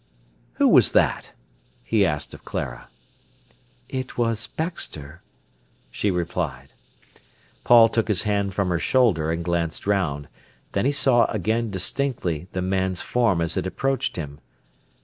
"Who was that?" he asked of Clara. "It was Baxter," she replied. Paul took his hand from her shoulder and glanced round; then he saw again distinctly the man's form as it approached him.